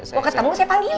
mau ketemu saya panggilin